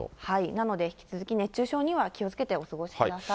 なので引き続き熱中症にはお気をつけてお過ごしください。